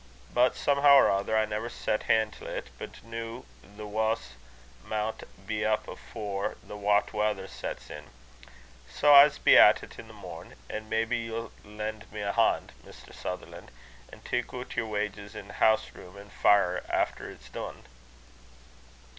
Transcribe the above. But somehoo or ither I never sat han' till't; but noo the wa's maun be up afore the wat weather sets in. Sae I'se be at it the morn, an' maybe ye'll len' me a han', Mr. Sutherlan', and tak' oot yer wages in house room an' firin' efter it's dune."